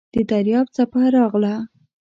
د دریاب څپه راغله .